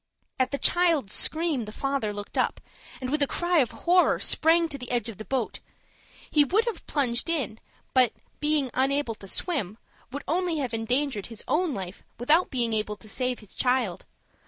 At the child's scream, the father looked up, and, with a cry of horror, sprang to the edge of the boat. He would have plunged in, but, being unable to swim, would only have endangered his own life, without being able to save his child.